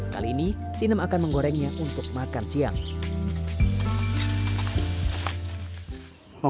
kali ini sinem akan menggorengnya untuk makan siang